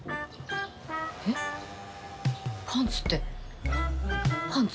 えっパンツってパンツ？